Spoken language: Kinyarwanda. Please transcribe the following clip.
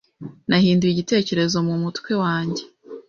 Nahinduye igitekerezo mumutwe wanjye